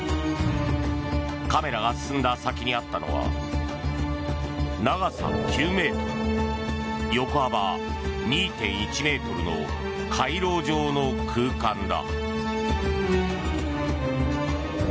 カメラが進んだ先にあったのは長さ９ｍ、横幅２．１ｍの回廊状の空間だ。